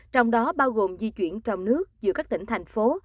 trong đó bao gồm di chuyển trong nước giữa các tỉnh thành phố